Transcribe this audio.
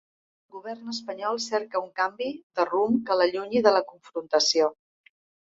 El govern espanyol cerca un canvi de rumb que l’allunyi de la confrontació.